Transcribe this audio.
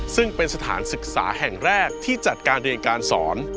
ซึ่งเป็นสถานศึกษาแห่งแรกที่จัดการเรียนการสอน